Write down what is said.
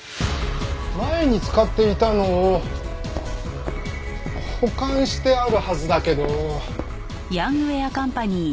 前に使っていたのを保管してあるはずだけど。